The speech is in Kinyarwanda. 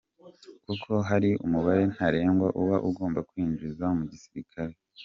Kuko hari umubare ntarengwa uba ugomba kwinjizwa mu gisilikare.